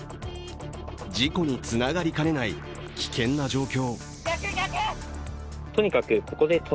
事故につながりかねない危険な状況。